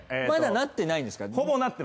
まだなってないんですか？